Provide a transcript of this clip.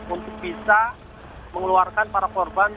untuk bisa mengeluarkan para korban